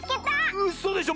うそでしょ